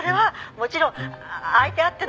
「もちろん相手あっての事だから」